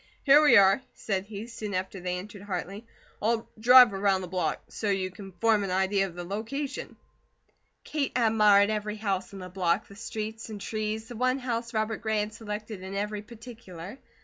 "Here we are!" said he, soon after they entered Hartley. "I'll drive around the block, so you can form an idea of the location." Kate admired every house in the block, the streets and trees, the one house Robert Gray had selected in every particular.